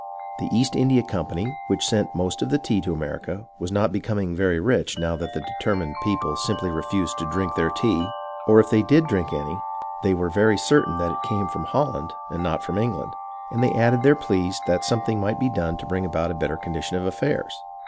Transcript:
The East India Company, which sent most of the tea to America, was not becoming very rich now that the determined people simply refused to drink their tea, or if they did drink any, they were very certain that it came from Holland and not from England, and they added their pleas that some thing might be done to bring about a better condition of affairs.